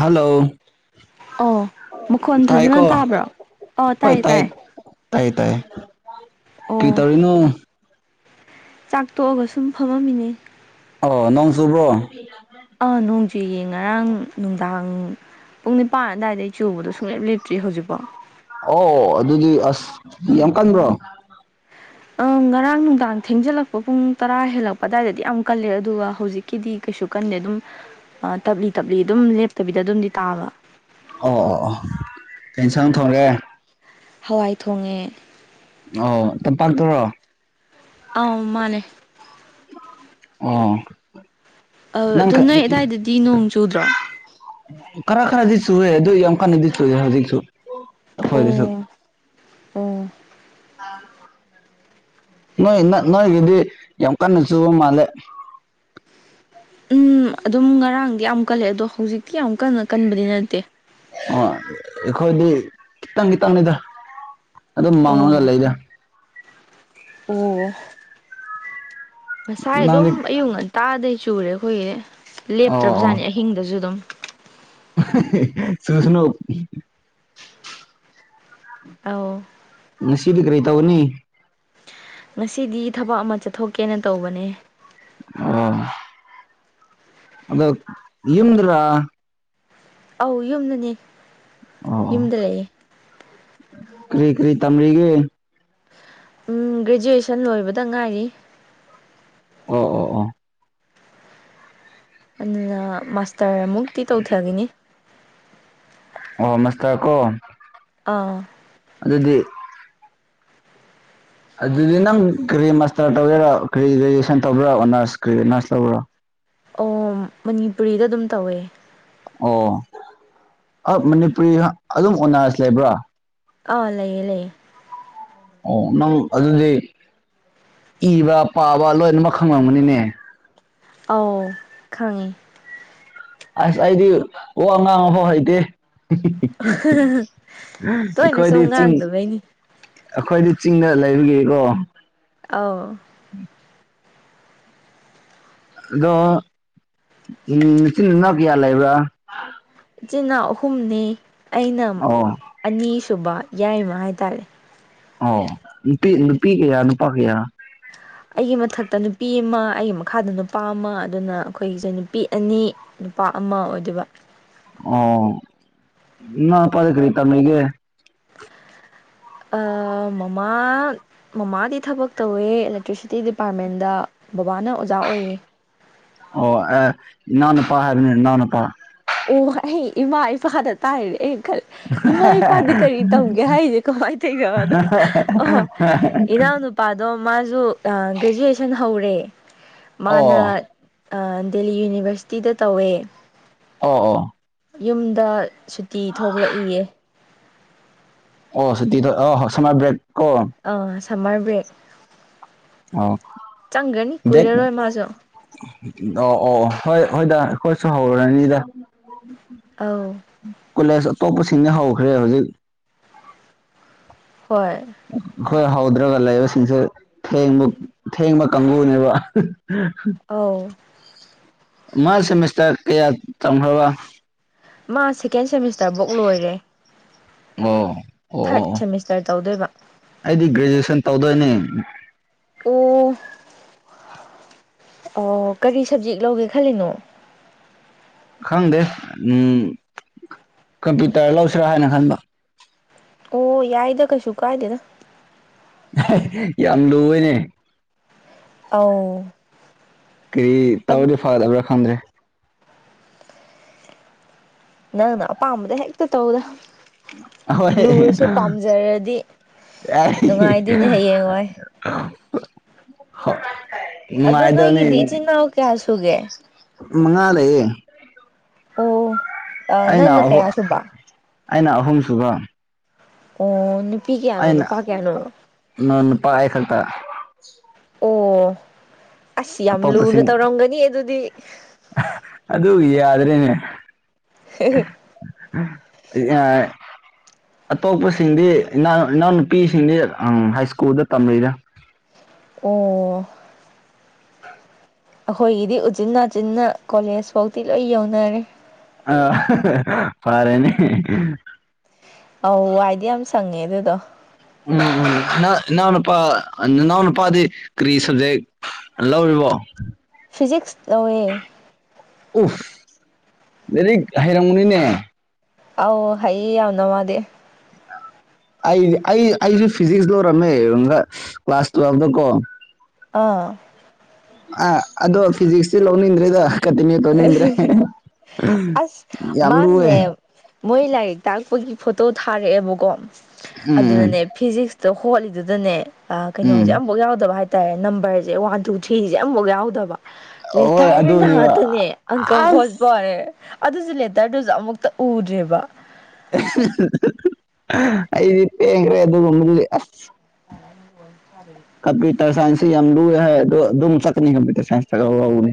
hello ꯑꯣ ꯃꯈꯣꯟ ꯐꯖꯅ ꯇꯥꯏꯀꯣ ꯇꯥꯕ꯭ꯔꯣ ꯑꯣ ꯇꯥꯏꯌꯦ ꯇꯥꯏꯌꯦ ꯇꯥꯌꯦ ꯇꯥꯌꯦ ꯀꯔꯤ ꯑꯣ ꯇꯧꯔꯤꯅꯣ ꯆꯥꯛꯇꯣꯛꯑꯒ ꯁꯨꯝ ꯐꯝ ꯃꯝꯃꯤꯟꯅꯦ ꯑꯣ ꯅꯣꯡꯆꯨꯕꯔꯣ ꯑꯥ ꯅꯣꯡꯆꯨꯏꯌꯦ ꯉꯔꯥꯡ ꯅꯨꯡꯗꯥꯡ ꯄꯨꯡ ꯅꯤꯄꯥꯟ ꯑꯗꯨꯋꯥꯏꯗꯩ ꯆꯨꯕꯗꯣ ꯁꯨꯡꯂꯦꯞ ꯂꯤꯞꯇ꯭ꯔꯤ ꯍꯧꯖꯤꯛꯐꯥꯎ ꯑꯣ ꯑꯗꯨꯗꯤ ꯑꯁ ꯌꯥꯝ ꯀꯟꯕ꯭ꯔꯣ ꯑꯪ ꯉꯔꯥꯡ ꯅꯨꯡꯗꯥꯡ ꯊꯦꯡꯖꯤꯜꯂꯛꯄ ꯄꯨꯡ ꯇꯔꯥ ꯍꯦꯜꯂꯛꯄ ꯑꯗꯨꯋꯥꯏꯗꯗꯤ ꯌꯥꯝ ꯀꯜꯂꯦ ꯑꯗꯨꯒ ꯍꯧꯖꯤꯛ ꯀꯤꯗꯤ ꯀꯩꯁꯨ ꯀꯟꯗꯦ ꯑꯗꯨꯝ ꯑꯥ ꯇꯞꯂꯤ ꯇꯞꯂꯤ ꯑꯗꯨꯝ ꯂꯦꯞꯇꯕꯤꯗ ꯑꯗꯨꯝꯗꯤ ꯇꯥꯕ ꯑꯣ ꯑꯣ ꯑꯣ ꯀꯩꯁꯥꯡ ꯊꯣꯡꯒꯦ ꯍꯋꯥꯏ ꯊꯣꯡꯉꯦ ꯑꯣ ꯇꯝꯄꯥꯛꯇꯔꯣ ꯑꯥꯎ ꯃꯥꯟꯅꯦ ꯑꯣ ꯑꯥ ꯅꯪ ꯑꯗꯣ ꯅꯣꯏ ꯑꯗꯥꯏꯗꯗꯤ ꯅꯣꯡ ꯆꯨꯗ꯭ꯔꯣ ꯈꯔ ꯈꯔꯗꯤ ꯆꯨꯔꯦ ꯑꯗꯨ ꯌꯥꯝ ꯀꯟꯅꯗꯤ ꯁꯨꯨꯗꯦ ꯍꯧꯖꯤꯛꯁꯨ ꯑꯩꯈꯣꯏꯒꯤꯁꯨ ꯎꯝ ꯅꯣꯏ ꯅꯣꯏꯒꯤꯗꯤ ꯌꯥꯝ ꯀꯟꯅ ꯆꯨꯕ ꯃꯥꯜꯂꯦ ꯎꯝ ꯑꯗꯨꯝ ꯉꯔꯥꯡꯗꯤ ꯌꯥꯝ ꯀꯜꯂꯦ ꯑꯗꯣ ꯍꯧꯖꯤꯛꯇꯤ ꯌꯥꯝ ꯀꯟꯅ ꯀꯟꯕꯗꯤ ꯅꯠꯇꯦ ꯑꯣ ꯑꯩꯈꯣꯏꯗꯤ ꯈꯤꯇꯪ ꯈꯤꯇꯪꯅꯤꯗ ꯑꯗꯨꯝ ꯃꯥꯡꯉꯒ ꯑꯣ ꯂꯩꯗ ꯑꯣ ꯉꯁꯥꯏ ꯅꯪꯗꯤ ꯑꯗꯨꯝ ꯑꯌꯨꯛ ꯉꯟꯇꯥꯗꯩ ꯆꯨꯔꯦ ꯑꯩꯈꯣꯏꯒꯤꯗꯤ ꯑꯣ ꯂꯦꯞꯇ꯭ꯔꯕꯖꯥꯠꯅꯤ ꯑꯍꯤꯡꯗꯁꯨ ꯑꯗꯨꯝ [unintelligible] ꯆꯨꯖꯅꯣ ꯑꯧ ꯉꯁꯤꯗꯤ ꯀꯔꯤ ꯇꯧꯒꯅꯤ ꯉꯁꯤꯗꯤ ꯊꯕꯛ ꯑꯃ ꯆꯠꯊꯣꯛꯀꯦꯅ ꯇꯧꯕꯅꯦ ꯑꯣ ꯑꯗꯣ ꯌꯨꯗꯔꯥ ꯑꯧ ꯌꯨꯝꯅꯅꯦ ꯑꯣ ꯑꯣ ꯀꯔꯤ ꯀꯔꯤ ꯇꯝꯔꯤꯒꯦ ꯎꯝ ꯒ꯭ꯔꯦꯖꯨꯑꯦꯁꯟ ꯂꯣꯏꯕꯗ ꯉꯥꯏꯔꯤ ꯑꯣ ꯑꯣ ꯑꯣ ꯑꯗꯨꯅ ꯃꯥꯁꯇꯔꯃꯨꯛꯇꯤ ꯇꯧꯊꯒꯤꯅꯤ ꯑꯣ ꯃꯥꯁꯇꯔ ꯀꯣ ꯑꯧ ꯑꯗꯨꯗꯤ ꯑꯗꯨꯗꯤ ꯅꯪ ꯀꯔꯤ ꯃꯥꯁꯇꯔ ꯇꯧꯒꯦꯔꯣ ꯀꯔꯤ ꯒ꯭ꯔꯦꯖꯨꯋꯦꯁꯟ ꯇꯧꯕꯔꯣ ꯑꯣꯅꯔꯁ ꯀꯔꯤ ꯅꯔꯁ ꯂꯧꯕ꯭ꯔꯣ ꯑꯣ ꯃꯅꯤꯄꯨꯔꯤꯗ ꯑꯗꯨꯝ ꯇꯧꯋꯦ ꯑꯣ ꯑꯥ ꯃꯅꯤꯄꯨꯔꯤ ꯑꯗꯨꯝ ꯑꯣꯅꯔꯁ ꯂꯩꯕ꯭ꯔꯣ ꯑꯥ ꯂꯩꯌꯦ ꯂꯩꯌꯦ ꯑꯣ ꯅꯪ ꯑꯗꯨꯗꯤ ꯏꯕ ꯄꯥꯕ ꯂꯣꯏꯅꯃꯛ ꯈꯪꯉꯝꯒꯅꯤꯅꯦ ꯑꯧ ꯈꯪꯉꯤ ꯑꯁ ꯑꯩꯗꯤ ꯋꯥ ꯉꯥꯡꯕꯐꯥꯎ ꯍꯩꯇꯦ [unintelligible] ꯇꯣꯏꯅ ꯑꯩꯈꯣꯏꯗꯤ ꯁꯨꯝ ꯆꯤꯡ ꯉꯥꯡꯗꯕꯩꯅꯤ ꯑꯩꯈꯣꯏꯗꯤ ꯆꯤꯡꯗ ꯂꯩꯕꯒꯤꯀꯣ ꯑꯧ ꯑꯗꯣ ꯎꯝ ꯅꯆꯤꯟ ꯃꯅꯥꯎ ꯀꯌꯥ ꯂꯩꯕ꯭ꯔꯥ ꯏꯆꯤꯟ ꯏꯅꯥꯎ ꯑꯍꯨꯝꯅꯦ ꯑꯩꯅ ꯑꯣ ꯑꯅꯤꯁꯨꯕ ꯌꯥꯏꯃ ꯍꯥꯏꯇꯥꯔꯦ ꯑꯣ ꯅꯨꯄꯤ ꯅꯨꯄꯤ ꯀꯌꯥ ꯅꯨꯄꯥ ꯀꯌꯥ [unintelligible] ꯑꯩꯒꯤ ꯃꯊꯛꯇ ꯅꯨꯄꯤ ꯑꯃ ꯑꯩꯒꯤ ꯃꯈꯥꯗ ꯅꯨꯄꯥ ꯑꯃ ꯑꯗꯨꯅ ꯑꯩꯈꯣꯏꯒꯤꯁꯦ ꯅꯨꯄꯤ ꯑꯅꯤ ꯅꯨꯄꯥ ꯑꯃ ꯑꯣꯏꯗꯣꯏꯕ ꯑꯣ ꯅꯅꯥꯎ ꯅꯨꯄꯥꯗꯤ ꯀꯔꯤ ꯇꯝꯃꯤꯒꯦ ꯑꯥ ꯃꯃꯥ ꯃꯃꯥꯗꯤ ꯊꯕꯛ ꯇꯧꯋꯦ ꯑꯦꯂꯦꯛꯇ꯭ꯔꯤꯁꯤꯇꯤ ꯗꯤꯄꯥꯔꯠꯃꯦꯟꯇꯗ ꯕꯕꯥꯅ ꯑꯣꯖꯥ ꯑꯣꯏꯌꯦ ꯑꯣ ꯑꯦ ꯏꯅꯥꯎꯅꯨꯄꯥ ꯍꯥꯏꯕꯅꯤ ꯏꯅꯥꯎꯅꯨꯄꯥ ꯑꯣ ꯑꯩ ꯏꯃꯥ ꯏꯄꯥꯅ ꯇꯥꯏꯅꯦ ꯑꯩ ꯈꯜ ꯏꯃꯥ ꯏꯄꯥꯗꯤ ꯀꯔꯤ ꯇꯧꯒꯦ ꯍꯥꯏꯁꯦ ꯀꯃꯥꯏꯅ ꯇꯧꯏꯅꯣꯅ ꯑꯣ ꯏꯅꯥꯎ ꯅꯨꯞ ꯏꯄꯥꯗꯣ ꯃꯥꯖꯨ ꯑꯥ ꯒ꯭ꯔꯦꯖꯨꯑꯦꯁꯟ ꯍꯧꯔꯦ ꯑꯣ ꯃꯥꯅ ꯑꯥ ꯗꯦꯜꯂꯤ ꯌꯨꯅꯤꯚꯔꯁꯤꯇꯤꯗ ꯇꯧꯋꯦ ꯑꯣ ꯑꯣ ꯌꯨꯝꯗ ꯁꯨꯇꯤ ꯊꯣꯛꯂꯛꯏꯌꯦ ꯑꯣ ꯁꯨꯇꯤꯗ ꯑꯥ ꯁꯃꯥꯔ ꯕ꯭ꯔꯦꯛ ꯀꯣ ꯑꯥ ꯁꯝꯃꯔ ꯕ꯭ꯔꯦꯛ ꯑꯣ ꯆꯪꯒꯔꯅꯤ ꯗꯦꯠ ꯀꯨꯏꯔꯔꯣꯏ ꯃꯥꯁꯨ ꯑꯣ ꯑꯣ ꯍꯣꯏ ꯍꯣꯏꯗ ꯑꯩꯈꯣꯏꯁꯨ ꯍꯧꯔꯅꯤꯗ ꯑꯧ ꯀꯣꯂꯦꯖ ꯑꯇꯣꯞꯄꯁꯤꯡꯅ ꯍꯧꯈ꯭ꯔꯦ ꯍꯧꯖꯤꯛ ꯍꯣꯏ ꯑꯩꯈꫭꯏ ꯍꯧꯗ꯭ꯔꯒ ꯂꯩꯕꯁꯤꯡꯁꯦ ꯊꯦꯡꯗꯤ ꯊꯦꯡꯕ ꯀꯥꯡꯕꯨꯅꯦꯕ ꯑꯧ ꯃꯥ ꯁꯦꯃꯤꯁꯇꯔ ꯀꯌꯥ ꯇꯝꯈꯔꯕꯥ ꯃꯥ ꯁꯦꯀꯦꯟ ꯁꯦꯃꯤꯁꯇꯔ ꯕꯨꯛ ꯂꯣꯏꯔꯦ ꯑꯣ ꯑꯣ ꯑꯣ ꯊꯥꯔꯠ ꯑꯣ ꯁꯦꯃꯤꯁꯇꯔ ꯇꯧꯗꯣꯏꯕ ꯑꯩꯗꯤ ꯒ꯭ꯔꯦꯖꯨꯑꯦꯁꯟ ꯇꯧꯗꯣꯏꯅꯦ ꯑꯣ ꯑꯣ ꯀꯔꯤ ꯁꯕꯖꯦꯛ ꯂꯧꯒꯦ ꯈꯜꯂꯤꯅꯣ ꯈꯪꯗꯦ ꯎꯝ ꯀꯝꯄ꯭ꯌꯨꯇꯔ ꯂꯧꯁꯤꯔꯥ ꯍꯥꯏꯅ ꯈꯟꯕ ꯑꯣ ꯌꯥꯏꯗ ꯀꯩꯁꯨ ꯀꯥꯏꯗꯦꯗ ꯌꯥꯝ ꯂꯨꯑꯦꯅꯦ ꯑꯧ ꯀꯔꯤ ꯇꯧꯔꯗꯤ ꯐꯗꯕ꯭ꯔꯥ ꯈꯪꯗ꯭ꯔꯦ ꯅꯪꯅꯥ ꯑꯄꯥꯝꯕꯗꯨ ꯍꯦꯛꯇ ꯇꯧꯗ ꯑꯍꯣꯏ ꯂꯨꯔꯁꯨ ꯄꯥꯝꯖꯔꯗꯤ ꯅꯨꯡꯉꯥꯏꯗꯣꯏꯅꯦ ꯍꯌꯦꯡꯋꯥꯏ [unintelligible] ꯑꯗꯩ ꯅꯣꯏꯒꯤꯗꯤ ꯏꯆꯤꯟꯜ ꯏꯅꯥꯎ ꯀꯌꯥ ꯁꯨꯒꯦ ꯃꯉꯥ ꯂꯩꯌꯦ ꯑꯣ ꯑꯩꯅ ꯅꯪꯅ ꯑꯍꯨꯝ ꯀꯌꯥ ꯁꯨꯕ ꯑꯩꯅ ꯑꯍꯨꯝꯁꯨꯕ ꯑꯣ ꯅꯨꯄꯤ ꯀꯌꯥꯅꯣ ꯅꯨꯄꯥ ꯀꯌꯥꯅꯣ ꯏꯅꯥꯎꯅꯨꯄꯥ ꯑꯩ ꯈꯥꯛꯇ ꯑꯣ ꯑꯁ ꯌꯥꯝ ꯂꯨꯅ ꯑꯇꯣꯞꯄꯁꯤꯡ ꯇꯧꯔꯝꯒꯅꯤ ꯑꯗꯨꯗꯤ ꯑꯗꯨ ꯌꯥꯗ꯭ꯔꯦꯅꯦ ꯌꯥ [unintelligible] ꯑꯇꯣꯞꯄꯁꯤꯡꯗꯤ ꯏꯅꯥꯎ ꯏꯅꯥꯎꯅꯨꯄꯤꯁꯤꯡꯗꯤ ꯍꯥꯏ ꯏꯁ꯭ꯀꯨꯜꯗ ꯇꯝꯂꯤꯗ ꯑꯣ ꯑꯩꯈꯣꯏꯒꯤꯗꯤ ꯎꯆꯤꯟ ꯅꯥꯆꯤꯟꯅ ꯀꯣꯂꯦꯖ ꯐꯧꯗꯤ ꯂꯣꯏ ꯌꯧꯅꯔꯦ ꯑꯥ ꯐꯔꯥꯅꯤ ꯑꯧ ꯋꯥꯏꯗꯤ ꯌꯥꯝ ꯁꯪꯉꯦ ꯑꯗꯨꯗꯣ ꯎꯝ ꯍꯥ ꯏꯅꯥꯎꯅꯨꯄꯥ ꯅꯅꯥꯎꯅꯨꯄꯥꯗꯤ ꯀꯔꯤ ꯁꯕꯖꯦꯛ ꯂꯧꯔꯤꯕꯣ ꯐꯤꯖꯤꯛꯁ ꯂꯧꯋꯦ ꯎꯐ ꯂꯥꯏꯔꯤꯛ ꯍꯩꯔꯝꯒꯅꯤꯅꯦ ꯑꯧ ꯍꯩꯌꯦ ꯌꯥꯝꯅ ꯃꯥꯗꯤ ꯑꯩ ꯑꯩ ꯑꯩꯁꯨ ꯐꯤꯖꯤꯛꯁ ꯂꯧꯏꯔꯝꯃꯦ ꯀ꯭ꯂꯥꯁ ꯇꯨꯋꯦꯜꯕꯇ ꯀꯣ ꯑꯥ ꯑꯥ ꯑꯗꯣ ꯐꯤꯖꯤꯛꯁꯇꯤ ꯂꯧꯅꯤꯡꯗ꯭ꯔꯦꯗꯥ ꯀꯟꯇꯤꯃꯦ ꯇꯧꯅꯤꯗ꯭ꯔꯦ ꯑꯁ ꯌꯥꯝ ꯂꯨꯑꯦ ꯃꯥꯅꯦ ꯃꯣꯏ ꯂꯥꯏꯔꯤꯛ ꯇꯥꯛꯄꯒꯤ ꯐꯣꯇꯣ ꯊꯥꯔꯛꯑꯦꯕꯀꯣ ꯎꯝ ꯑꯗꯨꯗꯅꯦ ꯐꯤꯖꯤꯛꯁꯇꯣ ꯍꯣꯠꯂꯤꯗꯨꯗꯅꯦ ꯎꯝ ꯀꯩꯅꯣꯖꯦ ꯑꯝꯐꯥꯎ ꯌꯥꯎꯗꯕ ꯍꯥꯏ ꯇꯥꯔꯦ ꯅꯝꯕꯔꯖꯦ ꯋꯥꯟ ꯇꯨ ꯊ꯭ꯔꯤꯁꯦ ꯑꯃꯐꯥꯎ ꯌꯥꯎꯗꯕ ꯍꯣꯏ ꯂꯦꯇꯔꯅ ꯑꯗꯨꯅꯦꯕ ꯇꯅꯦ ꯑꯪꯀ ꯍꯣꯠꯄ ꯑꯁ ꯋꯥꯅꯦ ꯑꯗꯨꯁꯨ ꯂꯦꯇꯔꯗꯨꯁꯨ ꯑꯃꯨꯛꯇ ꯎꯗ꯭ꯔꯤꯕ [unintelligible] ꯑꯩꯗꯤ ꯄꯦꯡ ꯒ꯭ꯔꯦ ꯑꯗꯨꯒꯨꯝꯕꯗꯨꯗꯤ ꯑꯁ [unintelligible] ꯀꯝꯄꯌꯨꯇꯔ ꯁꯥꯏꯟꯁꯁꯤ ꯌꯥꯝ ꯂꯨꯏ ꯍꯥꯏ ꯑꯗꯨ ꯑꯗꯨꯝ ꯆꯠꯀꯅꯤ ꯀꯝꯄꯌꯨꯇꯔ ꯁꯥꯏꯟꯁꯇ ꯂꯧꯂꯧꯅꯤ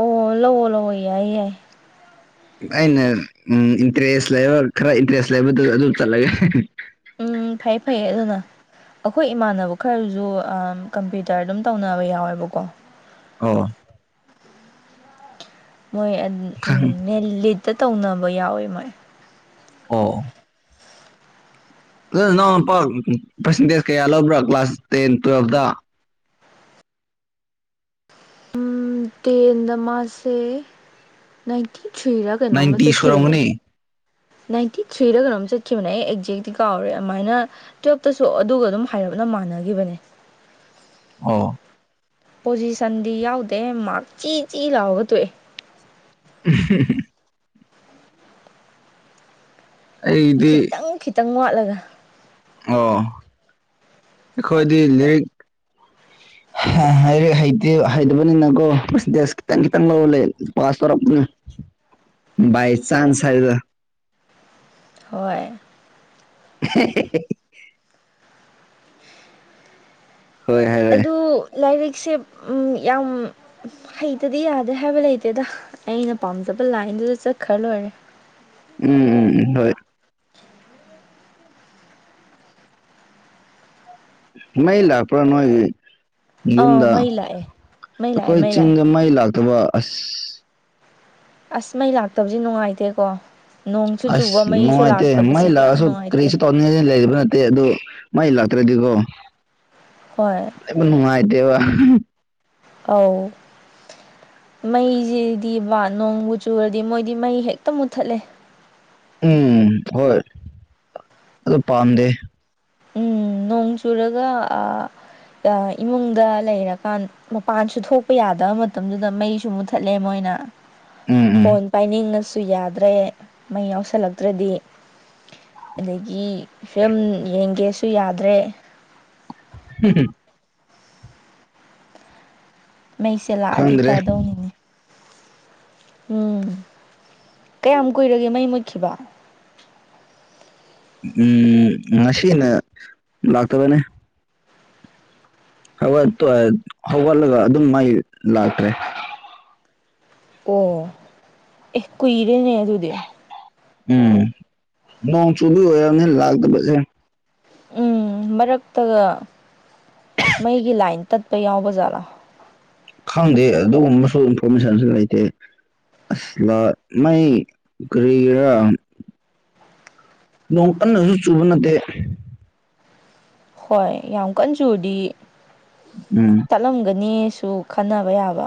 ꯑꯣ ꯂꯧꯋꯣ ꯂꯧꯋꯣ ꯌꯥꯏ ꯌꯥꯏ ꯑꯩꯅ ꯎꯝ ꯏꯟꯇꯔꯦꯁ ꯂꯩꯕ ꯈꯔ ꯏꯟꯇꯔꯦꯁ ꯂꯩꯕꯗꯨ ꯑꯗꯨ ꯆꯠꯂꯒꯦ ꯎꯝ ꯐꯩꯌꯦ ꯐꯩꯌꯦ ꯑꯗꯨꯅ ꯑꯩꯈꯣꯏ ꯏꯃꯥꯟꯅꯕ ꯈꯔꯁꯨ ꯑꯥ ꯀꯝꯄ꯭ꯌꯨꯇꯔ ꯑꯗꯨꯝ ꯇꯧꯅꯕ ꯌꯥꯎꯋꯦꯕꯀꯣ ꯑꯣ ꯃꯣꯏ ꯑ ꯥ ꯎꯝ ꯅꯦꯂꯤꯠꯇ ꯇꯧꯅꯕ ꯌꯥꯎꯋꯤ ꯃꯣꯏ ꯑꯣ ꯅꯣꯏ ꯅꯥꯎ ꯅꯄꯥ ꯄꯥꯔꯁꯦꯟꯇꯦꯖ ꯀꯌꯥ ꯂꯧꯕ꯭ꯔꯥ ꯀ꯭ꯂꯥꯁ ꯇꯦꯟ ꯇꯨꯋꯦꯜꯕꯇ ꯎꯝ ꯇꯦꯟꯗ ꯃꯥꯁꯦ ꯅꯥꯏꯟꯇꯤ ꯊ꯭ꯔꯤꯔꯥ ꯀꯩꯅꯣꯝꯃ ꯅꯥꯏꯟꯇꯤ ꯆꯠꯈꯤꯕꯅꯦ ꯁꯨꯔꯝꯒꯅꯤ ꯅꯥꯏꯟꯇꯤ ꯊ꯭ꯔꯤꯔꯥ ꯀꯩꯅꯣꯝ ꯆꯠꯈꯤꯕꯅꯦ ꯑꯩ ꯑꯦꯛꯖꯦꯛꯇꯤ ꯀꯥꯎꯔꯦ ꯑꯗꯨꯃꯥꯏꯅ ꯇꯨꯋꯦꯞꯇꯁꯨ ꯑꯗꯨꯒ ꯑꯗꯨꯝ ꯍꯥꯏꯔꯞꯅ ꯃꯥꯟꯅꯈꯤꯕꯅꯦ ꯑꯣ ꯄꯣꯖꯤꯁꯟꯗꯤ ꯌꯥꯎꯗꯦ ꯃꯥꯔꯛ ꯆꯤ ꯆꯤ ꯂꯥꯎꯔꯥ ꯇꯣꯛꯑꯦ [unintelligible] ꯑꯩꯗꯤ ꯈꯤꯇꯪ ꯈꯤꯇꯪ ꯋꯥꯠꯂꯒ ꯑꯣ ꯑꯩꯈꯣꯏꯗꯤ ꯂꯥꯏꯔꯤꯛ [unintelligible] ꯂꯥꯏꯔꯤꯛ ꯍꯩꯇꯦ ꯍꯩꯇꯕꯅꯤꯅꯀꯣ ꯄꯥꯔꯁꯟꯇꯦꯁ ꯈꯤꯇꯪ ꯈꯤꯇꯪ ꯂꯧꯔꯥ ꯂꯩ ꯄꯥꯁ ꯇꯧꯔꯛꯄꯅꯤ [inaudible] ꯕꯥꯏ ꯆꯥꯟꯁ ꯍꯥꯏꯕꯗꯣ ꯍꯣꯏ ꯍꯦꯍꯦ ꯍꯣꯏ ꯍꯥꯏꯔꯦ ꯑꯗꯨ ꯂꯥꯏꯔꯤꯛꯁꯦ ꯎꯝ ꯌꯥꯝ ꯍꯩꯇꯗꯤ ꯌꯥꯗꯦ ꯍꯥꯏꯕ ꯂꯩꯇꯦꯗ ꯑꯩꯅ ꯄꯥꯝꯖꯕ ꯂꯥꯏꯟꯗꯨꯗ ꯆꯠꯈ꯭ꯔ ꯂꯣꯏꯔꯦ ꯎꯝ ꯎꯝ ꯎꯝ ꯍꯣꯏ [inaudible] ꯃꯩ ꯂꯥꯛꯄ꯭ꯔꯥ ꯅꯣꯏꯒꯤ ꯑꯥ ꯌꯨꯝꯗ ꯃꯩ ꯂꯥꯛꯑꯦ ꯃꯩ ꯂꯥꯛꯑꯦ ꯑꯩꯈꯣꯏ ꯃꯩ ꯂꯥꯛꯑꯦ ꯆꯤꯡꯗ ꯃꯩ ꯂꯥꯛꯇꯕ ꯑꯁ ꯑꯁ ꯃꯩ ꯂꯥꯛꯇꯕꯖꯦ ꯅꯨꯡꯉꯥꯏꯇꯦꯀꯣ ꯅꯣꯡꯁꯨ ꯆꯨꯕ ꯑꯁ ꯃꯩꯁꯨ ꯅꯨꯡꯉꯥꯏꯇꯦ ꯃꯩ ꯂꯥꯛꯇꯕꯁꯤꯗꯤ ꯌꯥꯝ ꯂꯥꯛꯑꯁꯨ ꯅꯨꯡꯉꯥꯏꯇꯦ [unintelligible] ꯂꯩꯕ ꯅꯠꯇꯦ ꯑꯗꯨ ꯃꯩ ꯂꯥꯛꯇ꯭ꯔꯗꯤꯀꯣ ꯍꯣꯏ ꯑꯩꯕꯨ ꯅꯨꯡꯉꯥꯏꯇꯦꯕ ꯑꯧ ꯃꯩꯖꯤꯗꯤ ꯕꯥ ꯅꯣꯡꯕꯨ ꯆꯨꯔꯗꯤ ꯃꯣꯏꯗꯤ ꯃꯩ ꯍꯦꯛꯇ ꯃꯨꯠꯊꯠꯂꯦ ꯎꯝ ꯍꯣꯏ ꯑꯗꯨ ꯄꯥꯝꯗꯦ ꯎꯝ ꯅꯣꯡ ꯆꯨꯔꯒ ꯑꯥ ꯏꯃꯨꯡꯗ ꯂꯩꯔꯀꯥꯟ ꯃꯄꯥꯟꯁꯨ ꯊꯣꯛꯄ ꯌꯥꯗꯕ ꯃꯇꯝꯗꯨꯗ ꯃꯩꯁꯨ ꯃꯨꯠꯊꯠꯂꯦ ꯃꯣꯏꯅ ꯎꯝ ꯎꯝ ꯐꯣꯟ ꯄꯥꯏꯅꯤꯡꯉꯁꯨ ꯗꯨ ꯌꯥꯗ꯭ꯔꯦ ꯃꯩ ꯌꯥꯎꯁꯜꯂꯛꯇ꯭ꯔꯗꯤ ꯑꯗꯒꯤ ꯐꯤꯂꯝ ꯌꯦꯡꯒꯦꯁꯨ ꯌꯥꯗ꯭ꯔꯦ ꯍꯨꯝ ꯍꯨꯝ ꯃꯩꯁꯦ ꯂꯥꯛꯑꯗꯤ ꯈꯪꯗ꯭ꯔꯦ ꯐꯗꯧꯅꯤꯅꯦ ꯎꯝ ꯀꯌꯥꯝ ꯀꯨꯏꯔꯒꯦ ꯃꯩ ꯃꯨꯠꯈꯤꯕ ꯎꯝ ꯉꯁꯤꯅ ꯂꯥꯛꯇꯕꯅꯦ ꯍꯧꯒꯠꯄ ꯍꯧꯒꯠꯂꯒ ꯑꯗꯨꯝ ꯃꯥꯏ ꯂꯥꯛꯇ꯭ꯔꯦ ꯑꯣ ꯑꯦ ꯀꯨꯏꯔꯦꯅꯦ ꯑꯗꯨꯗꯤ ꯎꯝ ꯅꯣꯡ ꯆꯨꯕꯤ ꯑꯣꯏꯔꯝꯅꯤ ꯂꯥꯛꯇꯕꯁꯦ ꯎꯝ ꯃꯔꯛꯇꯒ ꯃꯩꯒꯤ ꯂꯥꯏꯟ ꯇꯠꯄ ꯌꯥꯎꯕ ꯖꯥꯠꯂꯥ ꯈꯪꯗꯦ ꯑꯗꯨꯒꯨꯝꯕꯁꯨ ꯏꯟꯐꯣꯔꯃꯦꯁꯟꯁꯨ ꯂꯩꯇꯦ ꯑꯁ ꯂ ꯃꯩ ꯀꯔꯤꯔ ꯅꯣꯡ ꯀꯟꯅꯁꯨ ꯆꯨꯕ ꯅꯠꯇꯦ ꯍꯣꯏ ꯌꯥꯝ ꯀꯟ ꯆꯨꯗꯤꯌꯦ ꯎꯝ ꯆꯠꯂꯝꯒꯅꯤꯁꯨ ꯈꯟꯅꯕ ꯌꯥꯕ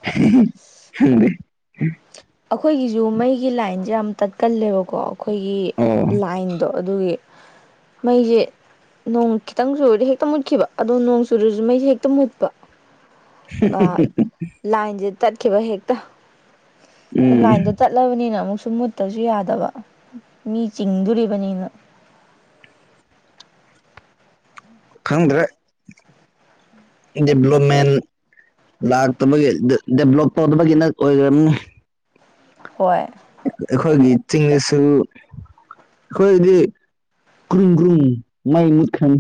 [unintelligible] ꯑꯩꯈꯣꯏꯒꯤꯁꯨ ꯃꯩꯒꯤ ꯂꯥꯏꯟꯖꯦ ꯌꯥꯝ ꯇꯠꯀꯜꯂꯦꯕꯀꯣ ꯑꯩꯈꯣꯏꯒꯤ ꯑꯣ ꯂꯥꯏꯟꯗꯣ ꯑꯗꯨꯒꯤ ꯃꯩꯁꯦ ꯅꯣꯡ ꯈꯤꯇꯪ ꯆꯨꯔꯗꯤ ꯍꯦꯛꯇ ꯃꯨꯠꯈꯤꯕ ꯑꯗꯣ ꯅꯣꯡ ꯆꯨꯨꯔꯁꯨ ꯃꯩꯁꯦ ꯍꯦꯛꯇ ꯃꯨꯠꯄ ꯑꯥ ꯂꯥꯏꯟꯁꯦ ꯇꯠꯈꯤꯕ ꯍꯦꯛꯇ ꯎꯝ ꯂꯥꯏꯟꯗꯣ ꯆꯠꯂꯕꯅꯤꯅ ꯑꯃꯨꯛꯁꯨ ꯃꯨꯠꯇꯁꯨ ꯌꯥꯗꯕ ꯃꯤ ꯆꯤꯡꯗꯣꯔꯤꯕꯅꯤꯅ ꯈꯪꯗ꯭ꯔꯦ ꯗꯦꯕꯂꯞꯃꯦꯟ ꯂꯥꯛꯇꯕꯒꯤ ꯗ ꯗꯦꯕꯂꯣꯞ ꯇꯧꯗꯕꯒꯤꯅ ꯑꯣꯏꯔꯝꯅꯤ ꯍꯣꯏ ꯑꯩꯈꯣꯏꯒꯤ ꯆꯤꯡꯗꯁꯨ ꯑꯩꯈꯣꯏꯗꯤ ꯀ꯭ꯔꯨꯝ ꯀ꯭ꯔꯨꯝ ꯃꯩ ꯃꯨꯠꯈ꯭ꯔꯅꯤ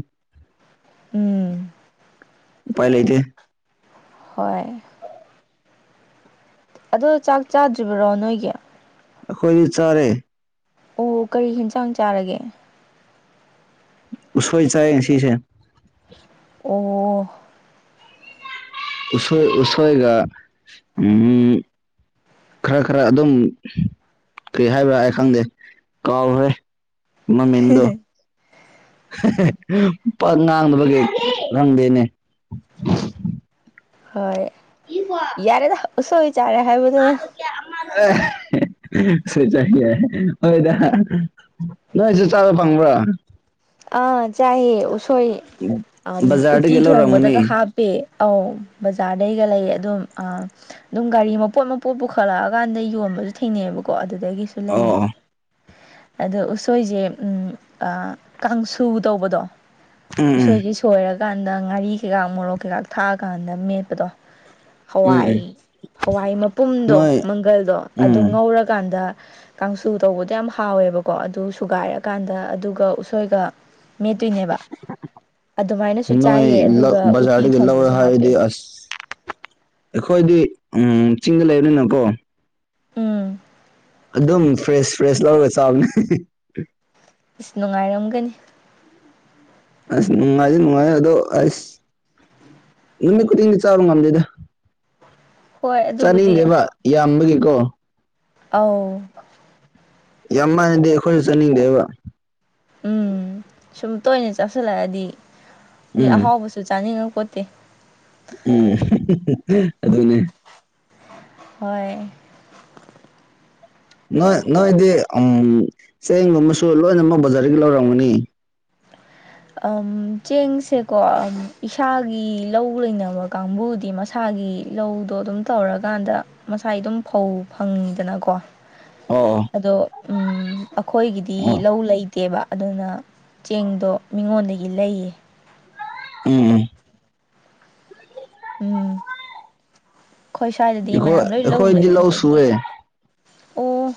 ꯎꯝ ꯎꯄꯥꯏ ꯂꯩꯇꯦ ꯍꯣꯏ ꯑꯗꯣ ꯆꯥꯛ ꯆꯥꯗ꯭ꯔꯤꯕꯔꯣ ꯅꯣꯏꯒꯤ ꯑꯩꯈꯣꯏꯗꯤ ꯆꯥꯔꯦ ꯑꯣ ꯀꯔꯤ ꯍꯦꯟꯖꯥꯥꯡ ꯆꯥꯔꯒꯦ ꯎꯁꯣꯏ ꯆꯥꯏꯑꯦ ꯉꯁꯤꯁꯦ ꯑꯣ ꯎꯁꯣꯏ ꯎꯁꯣꯏꯒ ꯎꯝ ꯈꯔ ꯈꯔ ꯑꯗꯨꯝ ꯀꯩ ꯍꯥꯏꯕ꯭ꯔꯥ ꯑꯩ ꯈꯪꯗꯦ ꯀꯥꯎꯈ꯭ꯔꯦ ꯃꯃꯤꯡꯗꯣ ꯄꯥꯛ ꯉꯥꯡꯗꯕꯒꯤ ꯈꯪꯗꯦꯅꯦ ꯍꯣꯏ ꯏꯄ꯭ꯋꯥ ꯌꯥꯔꯦꯗ ꯎꯁꯣꯏ ꯆꯥꯔꯦ ꯍꯥꯏꯕꯗꯨꯅ [unintelligible] ꯑꯦ ꯎꯁꯣꯏ ꯆꯥꯢ ꯌꯥꯏ ꯍꯣꯏꯗ ꯅꯣꯏꯁꯨ ꯆꯥꯕ ꯐꯪꯕ꯭ꯔꯣ ꯑꯥ ꯆꯥꯏꯑꯦ ꯎꯁꯣꯏ ꯑꯝ ꯎꯠꯇꯤ ꯕꯖꯥꯔꯗꯒꯤ ꯂꯧꯔꯝꯒꯅꯤ ꯊꯣꯡꯕꯗꯒ ꯍꯥꯞ ꯄꯦ ꯑꯧ ꯕꯖꯥꯔꯗꯩꯒ ꯂꯩꯌꯦ ꯑꯗꯨꯝ ꯑꯥ ꯑꯗꯨꯝ ꯒꯥꯔꯤ ꯃꯄꯣꯠ ꯃꯄꯣꯠ ꯄꯨꯈꯠꯂꯛꯑꯀꯥꯟꯗ ꯌꯣꯟꯕꯁꯨ ꯊꯦꯡꯅꯩꯑꯦꯕꯀꯣ ꯑꯗꯨꯗꯒꯤꯁꯨ ꯂꯩ ꯑꯣ ꯑꯣ ꯑꯗꯣ ꯎꯁꯣꯏꯁꯦ ꯎꯝ ꯑꯥ ꯀꯥꯡꯁꯨ ꯇꯧꯕꯗꯣ ꯎꯝ ꯎꯁꯣꯏꯁꯤꯒꯤ ꯊꯣꯏꯔꯀꯥꯟꯗ ꯉꯥꯔꯤ ꯀꯩꯀꯥ ꯃꯣꯔꯣꯛ ꯀꯩꯀꯥ ꯊꯥꯛꯑꯀꯥꯟꯗ ꯃꯦꯠꯄꯗꯣ ꯎꯝ ꯎꯝ ꯍꯋꯥꯏ ꯎꯝ ꯍꯋꯥꯏ ꯃꯄꯨꯝꯗꯣ ꯅꯣꯏ ꯃꯪꯒꯜꯗꯣ ꯑꯗꯨ ꯎꯝ ꯉꯧꯔꯀꯥꯟꯗ ꯀꯥꯡꯁꯨ ꯇꯧꯕꯗꯣ ꯌꯥꯝ ꯍꯥꯎꯋꯦꯕꯀꯣ ꯑꯗꯨ ꯁꯨꯒꯥꯏꯔꯀꯥꯟꯗ ꯑꯗꯨꯒ ꯎꯁꯣꯏꯒ ꯃꯦꯠꯇꯣꯏꯅꯦꯕ ꯑꯗꯨꯃꯥꯏꯅꯁꯨ ꯅꯣꯏ ꯆꯥꯏꯌꯦ ꯂꯧ ꯑꯗꯨꯒ ꯎꯇꯤ ꯕꯖꯥꯔꯒ ꯂꯧꯔꯦ ꯊꯣꯡꯕꯗꯁꯨ ꯍꯥꯢꯔꯗꯤ ꯍꯥꯞꯄꯦ ꯑꯁ ꯑꯩꯈꯣꯏꯗꯤ ꯆꯤꯡꯗ ꯂꯩꯕꯅꯤꯅꯀꯣ ꯎꯝ ꯑꯗꯨꯝ ꯐ꯭ꯔꯦꯁ ꯐ꯭ꯔꯦꯁ ꯂꯧꯔꯒ ꯆꯥꯎꯕꯅꯦ ꯏꯁ ꯅꯨꯡꯉꯥꯏꯔꯝꯒꯅꯤ ꯑꯁ ꯅꯨꯡꯉꯥꯏꯗꯤ ꯅꯨꯡꯉꯥꯏꯌꯦ ꯑꯗꯣ ꯑꯁ ꯅꯨꯃꯤꯠ ꯈꯨꯗꯤꯡꯗꯤ ꯆꯥꯕ ꯉꯝꯗꯦꯗ ꯍꯣꯏ ꯑꯗꯨꯕꯨꯗꯤ ꯆꯥꯅꯤꯡꯗꯦꯕ ꯌꯥꯝꯕꯒꯤꯀꯣ ꯑꯥꯎ ꯌꯥꯝ ꯃꯥꯟꯂꯗꯤ ꯑꯩꯈꯣꯏꯁꯨ ꯆꯥꯅꯤꯡꯗꯦꯕ ꯎꯝ ꯁꯨꯝ ꯇꯣꯏꯅ ꯆꯥꯁꯤꯜꯂꯛꯑꯗꯤ ꯃꯤ ꯎꯝ ꯑꯍꯥꯎꯕꯁꯨ ꯆꯥꯅꯤꯡꯉꯥꯛ ꯄꯣꯠꯇꯦ ꯎꯝ ꯑꯗꯨꯅꯦ ꯍꯣꯏ ꯅꯣꯏ ꯅꯣꯏꯗꯤ ꯆꯦꯡꯒꯨꯝꯕꯁꯨ ꯂꯣꯏꯅꯃꯛ ꯕꯖꯥꯔꯗꯒꯤ ꯂꯧꯔꯝꯒꯅꯤ ꯑꯝ ꯆꯦꯡꯁꯦꯀꯣ ꯏꯁꯥꯒꯤ ꯂꯧ ꯂꯩꯅꯕ ꯀꯥꯡꯕꯨꯗꯤ ꯃꯁ ꯏꯁꯥꯒꯤ ꯂꯥꯎꯗꯣ ꯑꯗꯨꯝ ꯇꯧꯔꯀꯥꯟꯗ ꯃꯁꯥꯏ ꯑꯗꯨꯝ ꯐꯧ ꯐꯪꯉꯤꯗꯅꯀꯣ ꯑꯣ ꯑꯣ ꯑꯗꯣ ꯎꯝ ꯑꯩꯈꯣꯏꯒꯤꯗꯤ ꯑꯣ ꯂꯧ ꯂꯩꯇꯦꯕ ꯑꯗꯨꯅ ꯆꯦꯡꯗꯣ ꯃꯤꯉꯣꯟꯗꯒꯤ ꯂꯩꯌꯦ ꯎꯝ ꯎꯝ ꯎꯝ ꯑꯩꯈꯣꯏ ꯁ꯭ꯋꯥꯏꯗꯗꯤ ꯑꯩꯈꯣꯏ ꯃꯌꯥꯝ ꯂꯣꯏ ꯂꯥꯎ ꯑꯩꯈꯣꯏꯗꯤ ꯂꯧ ꯂꯩꯅꯕꯒꯤ ꯁꯨꯑꯦ ꯑꯣ